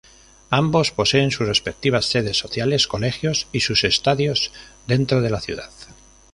Ambos poseen sus respectivas sedes sociales, colegios y sus estadios dentro de la ciudad.